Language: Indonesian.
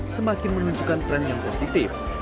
semakin menunjukkan tren yang positif